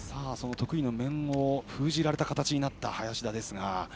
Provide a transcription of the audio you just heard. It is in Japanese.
得意の面を封じられた形になった林田ですが。